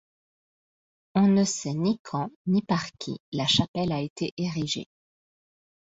On ne sait ni quand ni par qui la chapelle a été érigée.